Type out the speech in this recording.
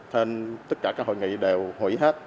nên tất cả các hội nghị đều hủy hết